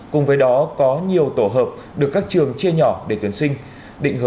cùng với đó có nhiều tổ hợp được các trường chia nhỏ để tuyển sinh